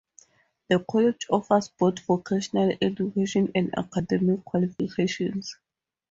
The college offers both vocational education and academic qualifications.